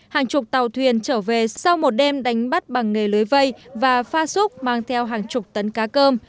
hàng chục tàu thuyền trở về sau một đêm đánh bắt bằng nghề lưới vây và pha súc mang theo hàng chục tấn cá cơm